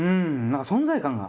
何か存在感が。